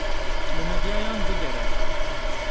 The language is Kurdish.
Li medyayan bigere.